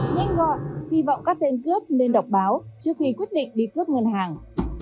nhanh gọn hy vọng các tên cướp nên đọc báo trước khi quyết định đi cướp ngân hàng